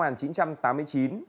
hội khẩu thường chú tài lộng